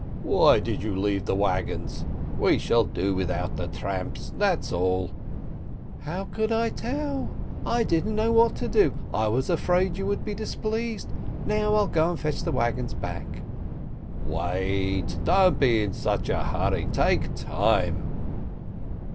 "Why did you leave the wagons ? We shall do without the tramps, that's all !" "How could I tell? I didn't know what to do. I was afraid you would be displeased. Now I'll go and fetch the wagons back." "Wait ! Don't be in such a hurry, take time